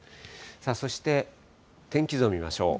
さあそして、天気図を見ましょう。